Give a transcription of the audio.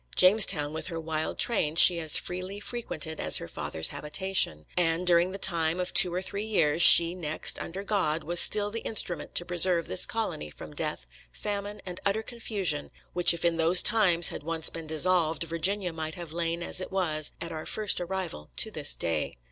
Jamestown, with her wild train, she as freely frequented as her father's habitation; and, during the time of two or three years, she, next, under God, was still the instrument to preserve this colony from death, famine, and utter confusion, which if in those times had once been dissolved, Virginia might have lain as it was at our first arrival to this day.